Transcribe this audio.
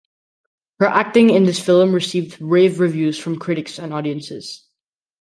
Her acting in this film received rave reviews from critics and audiences.